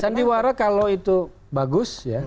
sandiwara kalau itu bagus ya